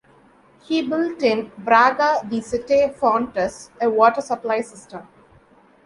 He built in Braga the Sete Fontes a water supply system.